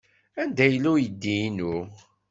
Anda yella uydi-inu?